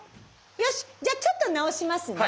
よしじゃあちょっと直しますね。